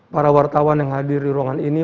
para wartawan yang hadir di ruangan ini